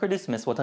私